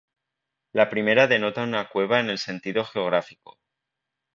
La primera denota una cueva en el sentido geográfico.